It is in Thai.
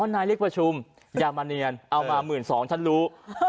นายเรียกประชุมอย่ามาเนียนเอามา๑๒๐๐ฉันรู้